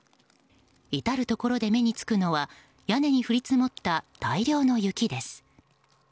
至るところで目に付くのは屋根に降り積もった大量の雪です。